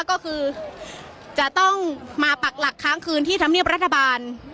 ก็คือจะต้องมาปักหลักค้างคืนที่ธรรมเนียบรัฐบาล